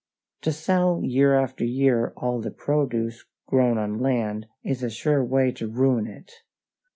To sell year after year all the produce grown on land is a sure way to ruin it.